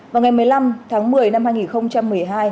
vào ngày một mươi năm tháng một mươi năm hai nghìn một mươi hai